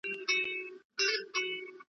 ماشوم به څرنګه سړه شپه تر سهاره یوسی .